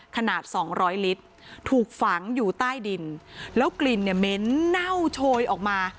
ขนาดสองร้อยลิตรถูกฝังอยู่ใต้ดินแล้วกลิ่นเนี่ยเหม็นเน่าโชยออกมา